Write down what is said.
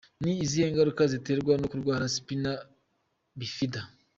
Ni izihe ngaruka ziterwa no kurwara spina bifida?.